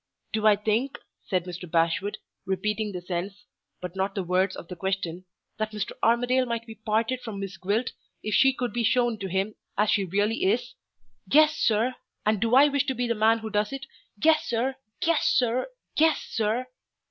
"Do I think," said Mr. Bashwood, repeating the sense, but not the words of the question, "that Mr. Armadale might be parted from Miss Gwilt, if she could be shown to him as she really is? Yes, sir! And do I wish to be the man who does it? Yes, sir! yes, sir!! yes, sir!!!"